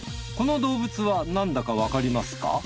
この動物は何だかわかりますか？